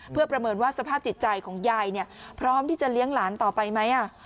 เพื่อประเมินว่าสภาพจิตใจของยายพร้อมที่จะเลี้ยงหลานต่อไปไหม